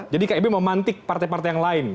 jadi kib memantik partai partai yang lain